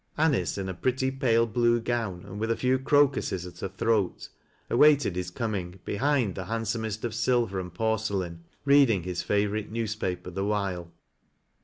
Anice, in a pretty pale blue gown, and with a few crocuses at her throat, awaited his coming behind the handsomest of silver and porcelain, reading his favorite newspaper the while.